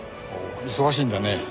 忙しいんだね。